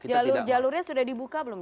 jalur jalurnya sudah dibuka belum